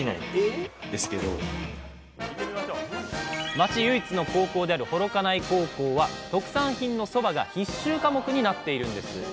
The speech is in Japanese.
町唯一の高校である幌加内高校は特産品の「そば」が必修科目になっているんです。